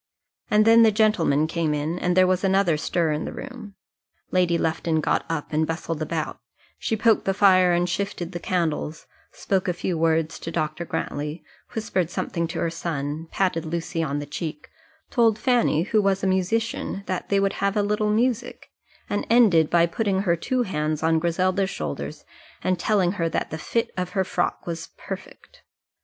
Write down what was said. And then the gentlemen came in, and there was another stir in the room. Lady Lufton got up and bustled about; she poked the fire and shifted the candles, spoke a few words to Dr. Grantly, whispered something to her son, patted Lucy on the cheek, told Fanny, who was a musician, that they would have a little music, and ended by putting her two hands on Griselda's shoulders and telling her that the fit of her frock was perfect.